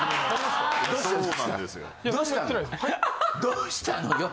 どうしたのよ！